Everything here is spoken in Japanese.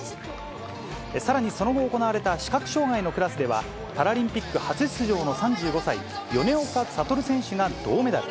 さらにその後行われた視覚障がいのクラスでは、パラリンピック初出場の３５歳、米岡聡選手が銅メダル。